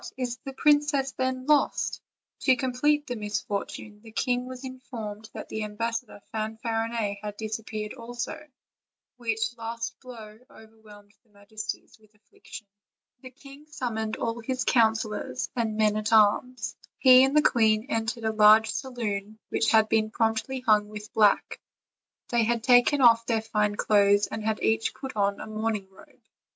is the princess, then, lost?" To complete the misfortune, the king was informed that the ambassador Fanfarinet had disappeared also, which last blow over whelmed their majesties with affliction. The king summoned all his counselors and men at arms. He and the queen entered a large saloon which had been promptly hung with black; they had taken off their fine clothes, and had each put on a mourning robe.